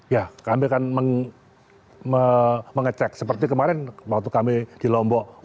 ya kami akan mengecek seperti kemarin waktu kami di lombok